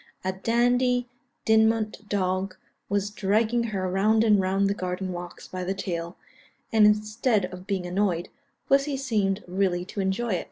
A Dandie Dinmont dog was dragging her round and round the garden walks by the tail, and instead of being annoyed, pussy seemed really to enjoy it."